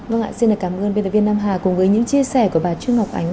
vâng ạ xin cảm ơn bnvn nam hà cùng với những chia sẻ của bà trương ngọc ánh